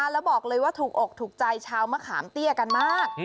แล้วบอกเลยว่าถูกอกถูกใจชาวมะขามเตี้ยกันมาก